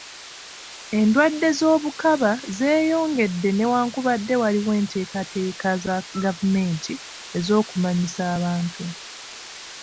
Endwadde z'obukaba zeeyongedde newankubadde waliwo enteekateeka za gavumenti ez'okuzimanyisa abantu.